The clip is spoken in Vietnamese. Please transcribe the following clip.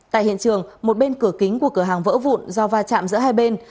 tại hiện trường một bên cửa kính của cửa hàng vỡ vụn do va chạm giữa hai bên